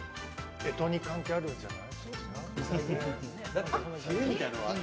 えとに関係あるんじゃない？